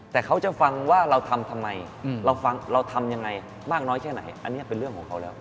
แต่เขาจะฟังว่าเราทำทำไมเราทำยังไงมากน้อยแค่ไหนอันนี้เป็นเรื่องของเขาแล้ว